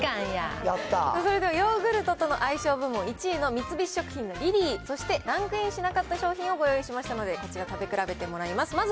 それではヨーグルトとの相性部門１位の三菱食品のリリー、そしてランクインしなかった商品をご用意しましたので、こちら食べ比べてもらいます。